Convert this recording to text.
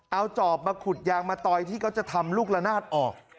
เอาจอบมาขุดยางมาตอยที่เขาจะทำลูกละนาดออก